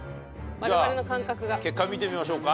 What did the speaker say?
じゃあ結果見てみましょうか。